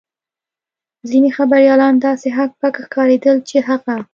ځینې خبریالان داسې هک پک ښکارېدل چې هغه.